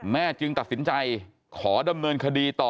จึงตัดสินใจขอดำเนินคดีต่อ